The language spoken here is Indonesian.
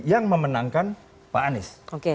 yang memenangkan pak anies